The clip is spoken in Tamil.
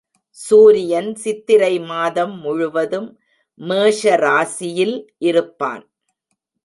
சூரியன் சித்திரை மாதம் முழுவதும் மேஷ ராசியில் இருப்பான்.